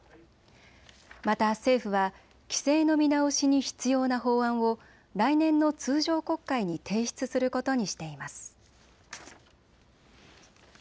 また政府は規制の見直しに必要な法案を来年の通常国会に提出することにしています。